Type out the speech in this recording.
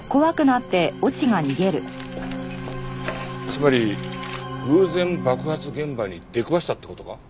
つまり偶然爆発現場に出くわしたって事か？